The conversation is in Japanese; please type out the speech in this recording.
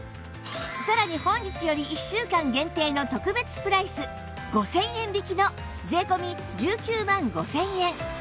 さらに本日より１週間限定の特別プライス５０００円引きの税込１９万５０００円